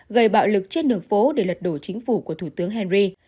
gây bạo lực trên đường phố để lật đổ chính phủ của thủ tướng henry